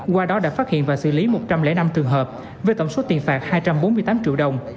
qua đó đã phát hiện và xử lý một trăm linh năm trường hợp với tổng số tiền phạt hai trăm bốn mươi tám triệu đồng